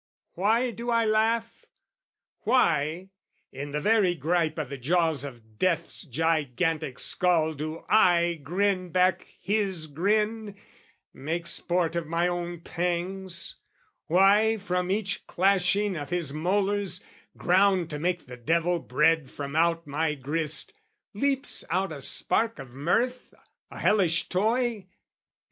Why do I laugh? Why, in the very gripe O' the jaws of death's gigantic skull do I Grin back his grin, make sport of my own pangs? Why from each clashing of his molars, ground To make the devil bread from out my grist, Leaps out a spark of mirth, a hellish toy?